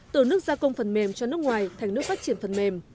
từ nước gia công phần mềm cho nước ngoài thành nước phát triển phần mềm